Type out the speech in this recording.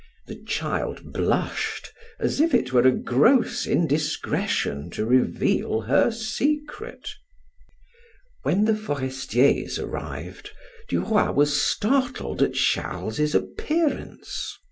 The child blushed as if it were a gross indiscretion to reveal her secret. When the Forestiers arrived, Duroy was startled at Charles's appearance.